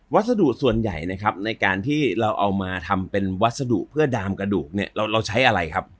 วัสดุส่วนใหญ่นะครับในการที่เราเอามาทำเป็นวัสดุเพื่อดามกระดูกเนี่ยเราใช้อะไรครับ